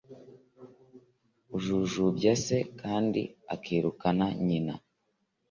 Ujujubya se kandi akirukana nyina